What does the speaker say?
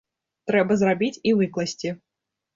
Трэба зрабіць і выкласці!